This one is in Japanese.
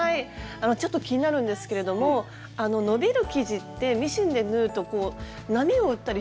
ちょっと気になるんですけれども伸びる生地ってミシンで縫うとこう波を打ったりしませんか？